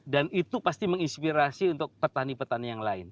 dan itu pasti menginspirasi untuk petani petani yang lain